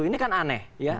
ini kan aneh ya